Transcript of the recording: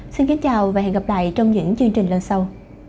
xin kính chào và hẹn gặp lại trong những chương trình lần sau